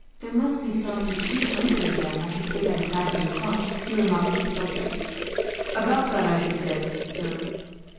"There must be some two hundred of them, I should say, by the size of the clump," he remarked to the soldier. "About that, I should say, sir."